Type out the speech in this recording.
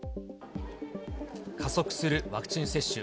加速するワクチン接種。